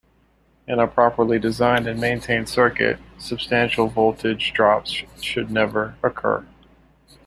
In a properly designed and maintained circuit, substantial voltage drops should never occur.